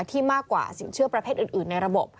ที่มากกว่าสินเชื่อประเภทอื่นในระบบ